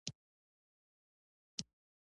آیا افغانستان د اسیا څلور لارې ده؟